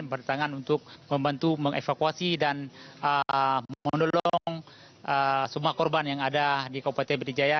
bertetangan untuk membantu mengevakuasi dan menolong semua korban yang ada di kabupaten pdi jaya